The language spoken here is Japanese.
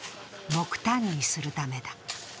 木炭にするためだ。